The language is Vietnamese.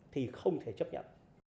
thì không thể chấp nhận